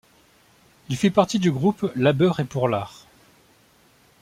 Il fit partie du groupe Labeur et Pour l'Art.